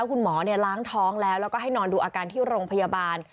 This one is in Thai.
คุณหมอล้างท้องแล้วแล้วก็ให้นอนดูอาการที่โรงพยาบาล